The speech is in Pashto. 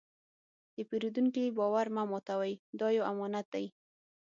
د پیرودونکي باور مه ماتوئ، دا یو امانت دی.